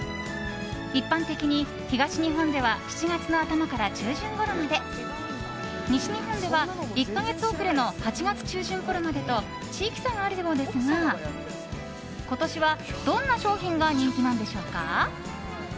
一般的に東日本では７月の頭から中旬ごろまで西日本では１か月遅れの８月中旬ごろまでと地域差があるようですが今年は、どんな商品が人気なんでしょうか。